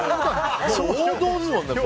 王道ですもんね。